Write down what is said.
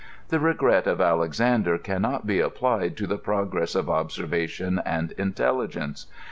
The regret of Alexaiidee can not bo^ applied to the pfcgress of observation and inteUigenoe.